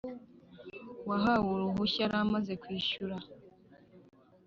Uwahawe uruhushya yaramaze kwishyura